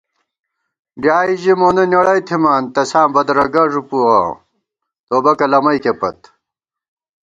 ڈیائے ژِی مونہ نېڑَئی تھِمان تساں بدرَگہ ݫُپُوَہ توبَکہ لَمَئیکےپت